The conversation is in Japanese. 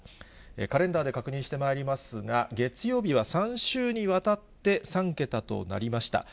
カレンダーで確認してまいりますが、月曜日は３週にわたって３桁となりました。